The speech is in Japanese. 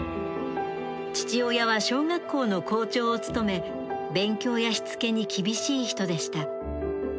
父親は小学校の校長を務め勉強やしつけに厳しい人でした。